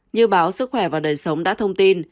như báo sức khỏe và đời sống đã thông tin